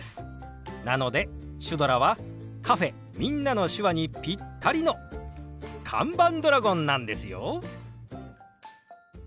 なのでシュドラはカフェ「みんなの手話」にピッタリの看板ドラゴンなんですよ。